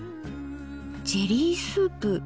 ジェリースープ。